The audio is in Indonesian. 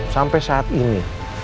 sampai saat ini